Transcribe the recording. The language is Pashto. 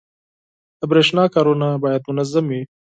• د برېښنا کارونه باید منظم وي.